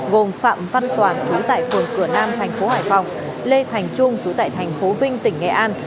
gồm phạm văn toàn trú tại phường cửa nam tp hải phòng lê thành trung trú tại tp vinh tỉnh nghệ an